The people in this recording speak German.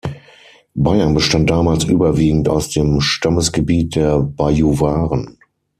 Bayern bestand damals überwiegend aus dem Stammesgebiet der Bajuwaren.